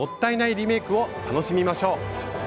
リメイクを楽しみましょう！